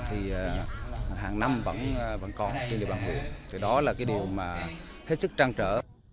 hàng năm vẫn có trên địa bàn huyện đó là điều hết sức trang trở